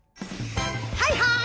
はいはい！